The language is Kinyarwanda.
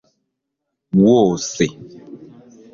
wose